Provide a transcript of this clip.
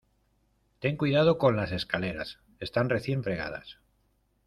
Ten cuidado con las escaleras, están recién fregadas.